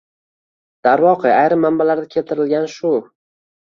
Darvoqe, ayrim manbalarda keltirilgan shu.